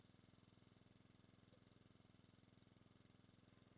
hatari ya kupata magonjwa mengi inakuwa kubwa kwa hiyo watu tuangalie sana chakula tunachokula